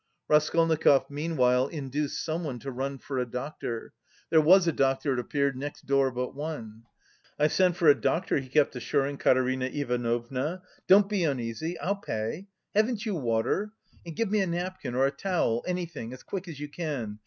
Raskolnikov meanwhile induced someone to run for a doctor. There was a doctor, it appeared, next door but one. "I've sent for a doctor," he kept assuring Katerina Ivanovna, "don't be uneasy, I'll pay. Haven't you water?... and give me a napkin or a towel, anything, as quick as you can....